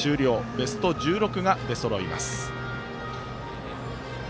ベスト１６が出そろいます。